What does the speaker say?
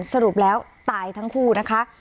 สรุปแล้วตายทั้งคู่นะคะ